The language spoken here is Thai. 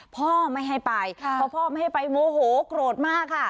พ่อไม่ให้ไปเพราะพ่อไม่ให้ไปโมโหโกรธมากค่ะ